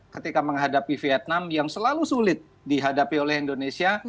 ketika menghadapi vietnam yang selalu sulit dihadapi oleh indonesia